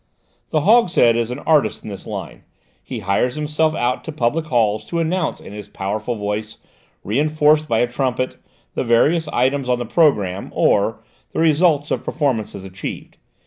The Hogshead is an artist in his line; he hires himself out to public halls to announce in his powerful voice, reinforced by a trumpet, the various items on the programme or the results of performances achieved.